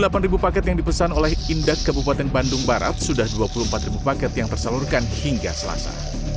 dari delapan paket yang dipesan oleh indak kabupaten bandung barat sudah dua puluh empat ribu paket yang tersalurkan hingga selasa